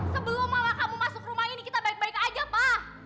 sebelum mama kamu masuk rumah ini kita balik balik aja pa